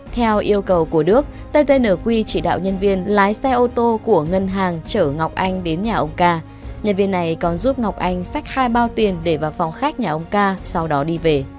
theo yêu cầu của đức ttnq chỉ đạo nhân viên lái xe ô tô của ngân hàng chở ngọc anh đến nhà ông ca nhân viên này còn giúp ngọc anh xách hai bao tiền để vào phòng khách nhà ông ca sau đó đi về